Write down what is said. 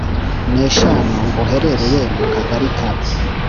n eshanu ha buherereye mu Kagari ka